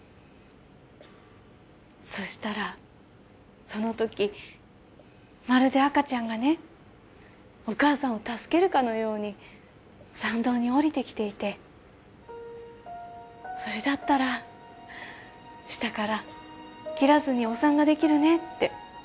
そしたら、そのときまるで赤ちゃんがね、お母さんを助けるかのように産道に下りてきていてそれだったら、下から切らずにお産ができるねって。